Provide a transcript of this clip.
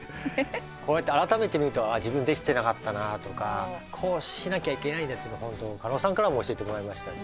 こうやって改めて見ると「ああ自分できてなかったな」とか「こうしなきゃいけないんだ」というのを鹿野さんからも教えてもらいましたし。